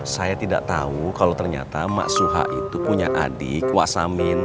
saya tidak tau kalau ternyata mas suha itu punya adik wasamin